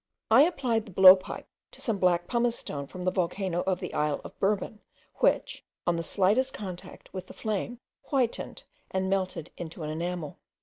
I applied the blowpipe to some black pumice stone from the volcano of the isle of Bourbon, which, on the slightest contact with the flame, whitened and melted into an enamel.